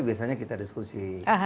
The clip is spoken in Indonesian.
biasanya kita diskusi